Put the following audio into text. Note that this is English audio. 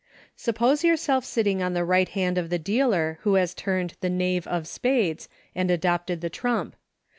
Sup pose yourself sitting on the right hand of the dealer who has turned the Knave of spades, and adopted the trump.